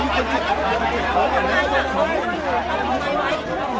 ตอนนี้ก็ไม่มีใครกลับมาเมื่อเวลาอาทิตย์เกิดขึ้น